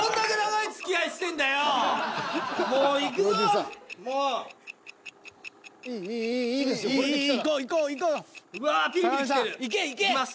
いきます。